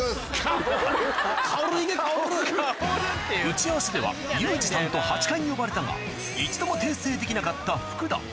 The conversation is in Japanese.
打ち合わせでは「ユージさん」と８回呼ばれたが一度も訂正できなかった福田